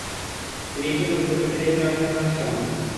তিনি MC college থেকে পরীক্ষা দিয়ে ফেরার পথে আক্রমণের শিকার হন।